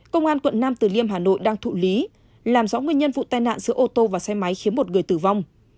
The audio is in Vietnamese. công an quận nam từ liêm hà nội đang thụ lý làm rõ nguyên nhân vụ tai nạn giữa ô tô và xe máy khiến một người tử vong